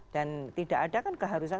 dan tidak ada keharusan